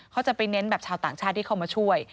เขาจะไปเน้นแบบชาวต่างชาติที่เข้ามาช่วย